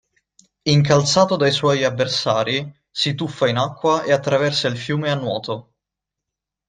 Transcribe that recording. Incalzato dai suoi avversari, si tuffa in acqua e attraversa il fiume a nuoto.